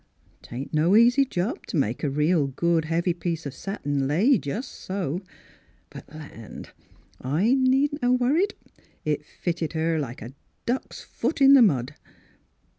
" 'Tain't no easy job t' make a real good heavy piece of satin lay jest so. But land! I needn't 'a' worried. It fit ted her like a duck's foot in the mud